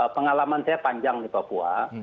pengalaman saya panjang di papua